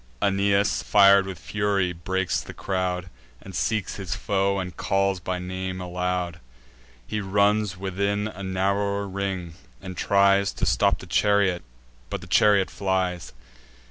Aeneas, fir'd with fury, breaks the crowd, And seeks his foe, and calls by name aloud: He runs within a narrower ring, and tries To stop the chariot; but the chariot flies.